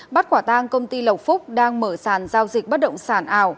bắt quả tang công ty lộc phúc đang mở sàn giao dịch bất động sản ảo